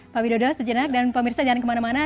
pak widodo sejenak dan pak mirsa jangan kemana mana